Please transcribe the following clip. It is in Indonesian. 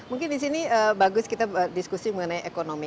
mungkin di sini bagus kita diskusi mengenai ekonomi